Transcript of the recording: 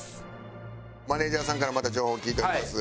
マネージャーさんからまた情報を聞いております。